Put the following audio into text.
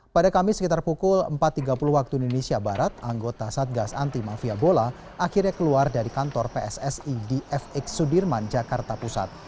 pada kamis sekitar pukul empat tiga puluh waktu indonesia barat anggota satgas anti mafia bola akhirnya keluar dari kantor pssi di fx sudirman jakarta pusat